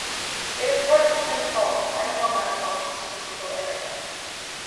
It is part of the Twin Falls, Idaho Micropolitan Statistical Area.